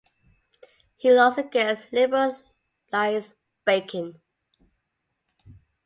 He lost against Liberal Lise Bacon.